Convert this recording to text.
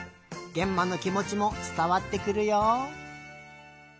げんまのきもちもつたわってくるよ。